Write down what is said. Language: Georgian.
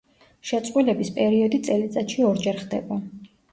შეწყვილების პერიოდი წელიწადში ორჯერ ხდება.